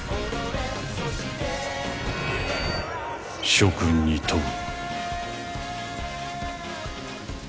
諸君に問う。